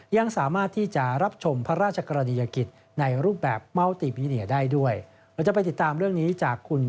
ยังสามารถที่จะรับชมพระราชกรณียกิจ